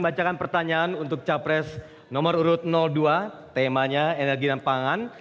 bacakan pertanyaan untuk capres nomor urut dua temanya energi dan pangan